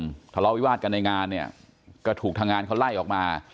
สองขลุมทะเลาวิวาทกันในงานก็ถูกทางงานไล่ออกมา